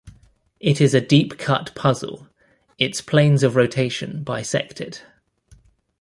It is a "deep-cut" puzzle; its planes of rotation bisect it.